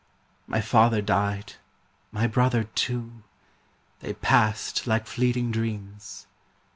My father died, my brother too, They passed like fleeting dreams.